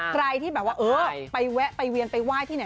ใครที่แอ้งว่าไปเวียนไปไหว้ที่ไหน